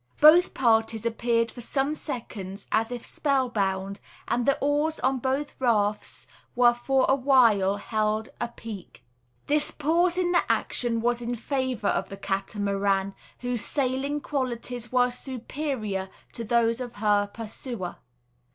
Both parties appeared for some seconds as if spellbound, and the oars on both rafts were for a while held "apeak." This pause in the action was in favour of the Catamaran, whose sailing qualities were superior to those of her pursuer.